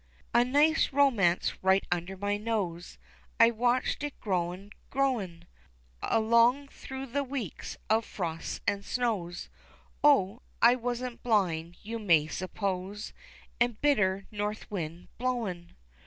A nice romance right under my nose, I watched it growin', growin,' Along through the weeks of frosts and snows (Oh, I wasn't blind you may suppose) And bitter north wind blowin'.